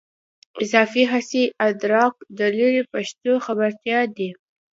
اضافي حسي ادراک د لیرې پېښو خبرتیاوې دي.